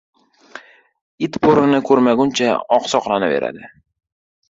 • It bo‘rini ko‘rmaguncha oqsoqlanaveradi.